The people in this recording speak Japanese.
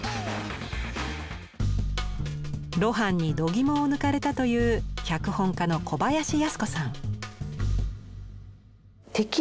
露伴に度肝を抜かれたという脚本家の小林靖子さん。